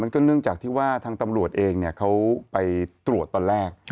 ก็เนื่องจากที่ว่าทางตำรวจเองเขาไปตรวจตอนแรก